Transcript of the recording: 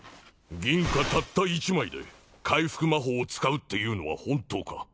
銀貨たった１枚で回復魔法を使うっていうのは本当か？